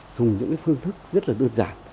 dùng những cái phương thức rất là đơn giản